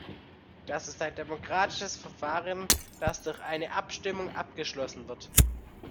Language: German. Das ist ein demokratisches Verfahren, das durch eine Abstimmung abgeschlossen wird.